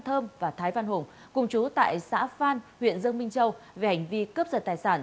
thơm và thái văn hùng cùng chú tại xã phan huyện dương minh châu về hành vi cướp giật tài sản